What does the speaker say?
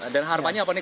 dan harapannya apa nih